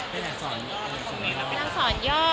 เป็นทางสอนย่อ